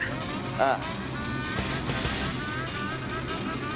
ああ。